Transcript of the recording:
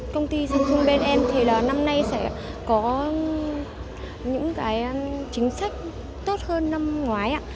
công ty xin chung bên em thì năm nay sẽ có những chính sách tốt hơn năm ngoái